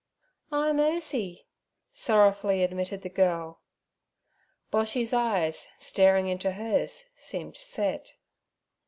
'I'm Ursie' sorrowfully admitted the girl. Boshy's eye, staring into hers, seemed set.